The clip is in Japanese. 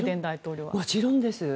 もちろんです。